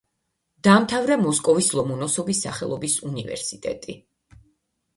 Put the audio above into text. დაამთავრა მოსკოვის ლომონოსოვის სახელობის უნივერსიტეტი.